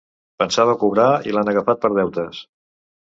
Pensava cobrar i l'han agafat per deutes.